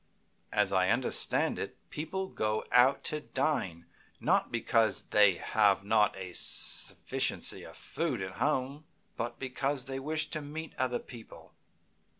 As I understand it, people go out to dine not because they have not a sufficiency of food at home, but because they wish to meet other people.